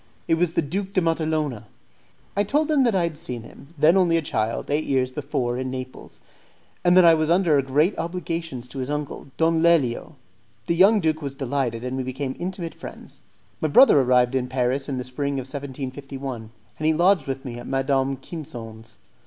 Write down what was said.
It was the Duke de Matalona. I told him that I had seen him, then only a child, eight years before in Naples, and that I was under great obligations to his uncle, Don Lelio. The young duke was delighted, and we became intimate friends. My brother arrived in Paris in the spring of 1751, and he lodged with me at Madame Quinson's.